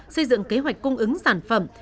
xây dựng kế hoạch cung ứng sản phẩm